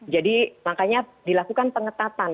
jadi makanya dilakukan pengetatan